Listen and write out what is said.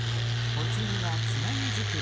お次はつなぎ作り